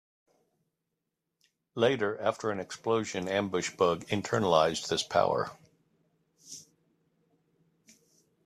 Later, after an explosion, Ambush Bug internalized this power.